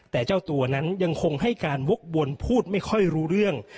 แต่เจ้าตัวนั้นยังคงให้การวกวนพูดไม่ค่อยรู้เรื่อง